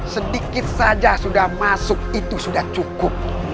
sedikit saja sudah masuk itu sudah cukup